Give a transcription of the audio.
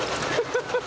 ハハハハ！